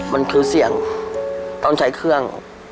มันคือเสี่ยงต้องใช้เครื่อง